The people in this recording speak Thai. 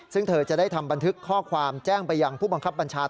ซึ่งเธอจะได้ทำบันทึกข้อความแจ้งไปยังผู้บังคับบัญชา